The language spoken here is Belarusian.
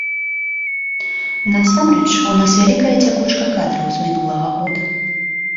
Насамрэч у нас вялікая цякучка кадраў з мінулага года.